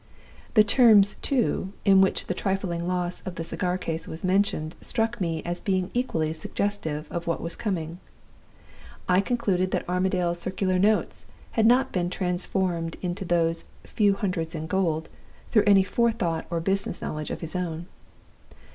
The terms, too, in which the trifling loss of the cigar case was mentioned struck me as being equally suggestive of what was coming. I concluded that Armadale's circular notes had not been transformed into those 'few hundreds in gold' through any forethought or business knowledge of his own.